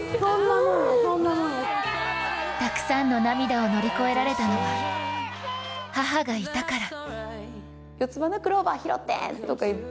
たくさんの涙を乗り越えられたのは母がいたから。